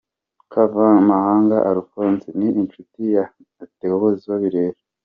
Kavamahanga Alphonse ni inshuti na Theo Bosebabireba.